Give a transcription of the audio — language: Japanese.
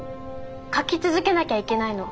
描き続けなきゃいけないの。